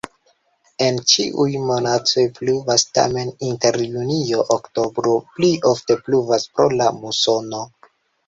En ĉiuj monatoj pluvas, tamen inter junio-oktobro pli ofte pluvas pro la musono.